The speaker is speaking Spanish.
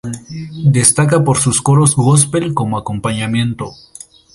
Destaca por sus coros gospel como acompañamiento.